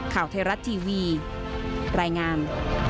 ข่าวไทยรัฐทีวีรายงาน